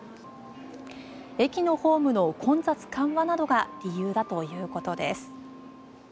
駅のホームの混雑緩和などが理由だということです。